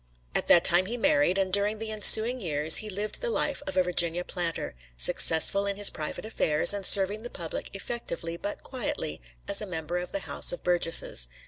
At that time he married, and during the ensuing years he lived the life of a Virginia planter, successful in his private affairs and serving the public effectively but quietly as a member of the House of Burgesses.